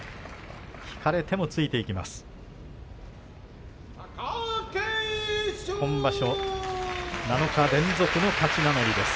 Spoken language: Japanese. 引かれてもついていきます。